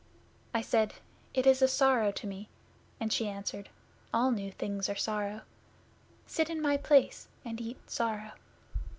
I said, "It is a sorrow to me"; and she answered, "All new things are sorrow. Sit in my place, and eat sorrow."